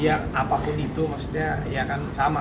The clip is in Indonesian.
ya apapun itu maksudnya ya kan sama